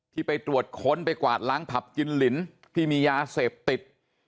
ไปตรวจค้นไปกวาดล้างผับกินลินที่มียาเสพติด